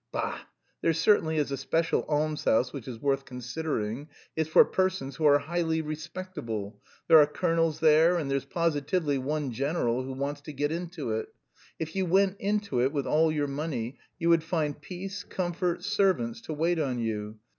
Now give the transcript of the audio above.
Bah, there certainly is a special almshouse, which is worth considering. It's for persons who are highly respectable; there are colonels there, and there's positively one general who wants to get into it. If you went into it with all your money, you would find peace, comfort, servants to wait on you.